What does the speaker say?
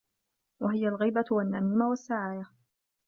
وَهِيَ الْغِيبَةُ وَالنَّمِيمَةُ وَالسِّعَايَةُ